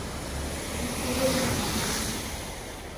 Msighe uho mwana ulile.